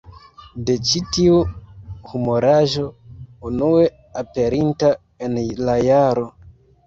De ĉi tiu humoraĵo, unue aperinta en la jaro